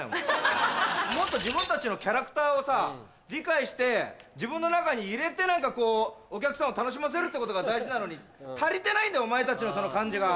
もっと自分たちのキャラクターをさ理解して自分の中に入れて何かこうお客さんを楽しませることが大事なのに足りてないんだお前たちのその感じが。